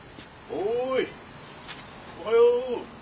おはよう。